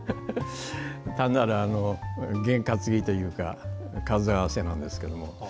単なる、験担ぎというか数合わせなんですけども。